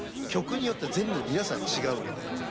曲によって全部皆さん違うんで。